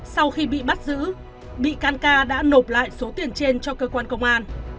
sau khi bị bắt giữ bị can ca đã nộp lại số tiền trên cho cơ quan công an